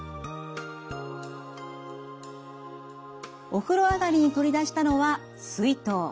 お風呂上がりに取り出したのは水筒。